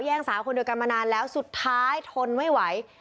สาวคนเดียวกันมานานแล้วสุดท้ายทนไม่ไหว